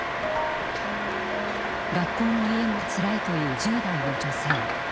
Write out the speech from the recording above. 「学校も家も辛い」という１０代の女性。